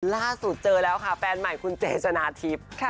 ล่าสุดเจอแล้วค่ะแฟนใหม่คุณเจชนะทิพย์